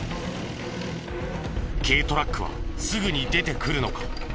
軽トラックはすぐに出てくるのか？